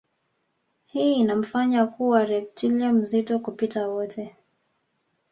Hii inamfanya kuwa reptilia mzito kupita wote